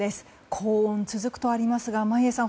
高温続くとありますが、眞家さん